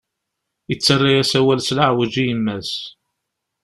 Yettarra-yas awal s leɛweǧ i yemma-s.